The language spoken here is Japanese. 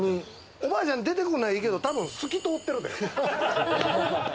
おばあちゃん出てくるのはいいけれど、たぶん透き通ってるで。